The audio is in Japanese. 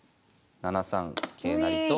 ７三桂成と。